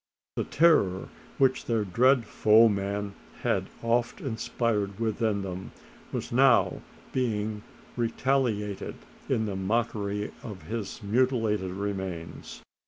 The terror, which their dread foeman had oft inspired within them, was now being retaliated in the mockery of his mutilated remains!